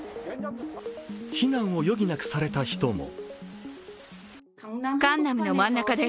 避難を余儀なくされた人も。